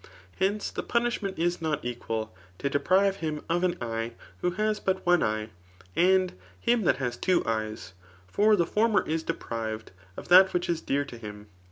Hence, the punishment is not equal to deprive him of an eye who has but one eye^ and him that has two eyes ; for the former is deprived of that which is dear to him.